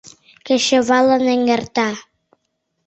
Кечываллан эҥерта.